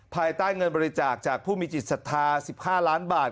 ภายใต้เงินบริจาคจากผู้มีจิตศรัทธา๑๕ล้านบาท